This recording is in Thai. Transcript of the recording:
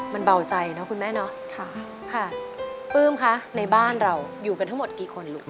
มันเบาใจเนอะคุณแม่เนาะค่ะปลื้มคะในบ้านเราอยู่กันทั้งหมดกี่คนลูก